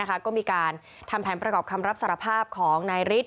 ก็มีการทำแผนประกอบคำรับสารภาพของนายฤทธิ